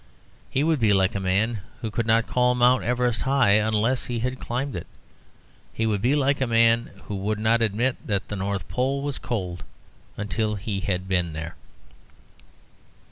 He would be like a man who could not call Mount Everest high unless he had climbed it. He would be like a man who would not admit that the North Pole was cold until he had been there.